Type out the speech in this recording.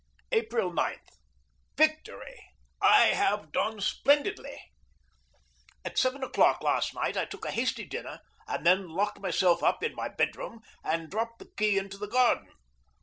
April 9. Victory! I have done splendidly! At seven o'clock last night I took a hasty dinner, and then locked myself up in my bedroom and dropped the key into the garden.